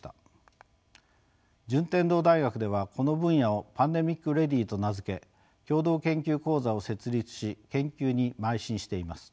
順天堂大学ではこの分野をＰａｎｄｅｍｉｃＲｅａｄｙと名付け共同研究講座を設立し研究にまい進しています。